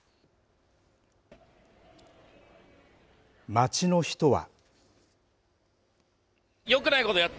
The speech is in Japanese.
街の人は。